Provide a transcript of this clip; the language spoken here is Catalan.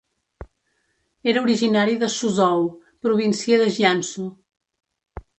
Era originari de Suzhou, província de Jiangsu.